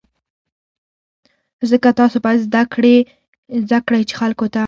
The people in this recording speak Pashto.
ځکه تاسو باید زده کړئ چې خلکو ته.